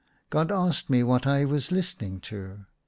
God asked me what I was listening to.